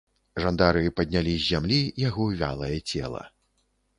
Жандары паднялі з зямлі яго вялае цела.